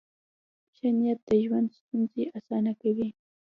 ښه نیت د ژوند ستونزې اسانه کوي.